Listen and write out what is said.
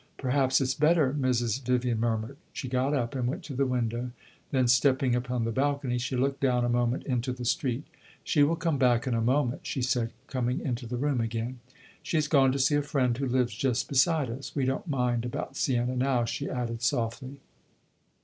"Perhaps it 's better," Mrs. Vivian murmured. She got up and went to the window; then stepping upon the balcony, she looked down a moment into the street. "She will come back in a moment," she said, coming into the room again. "She has gone to see a friend who lives just beside us. We don't mind about Siena now," she added, softly.